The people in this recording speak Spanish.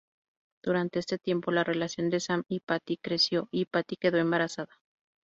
Durante este tiempo, la relación de Sam y Patty creció, y Patty quedó embarazada.